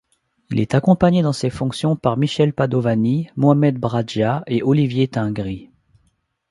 Il est accompagné dans ses fonctions par Michel Padovani, Mohamed Bradja et Olivier Tingry.